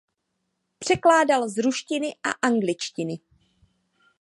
Překládal z ruštiny a angličtiny.